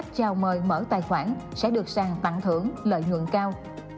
chào mời mở tài khoản sẽ được sàng tặng thưởng lợi nhuận cao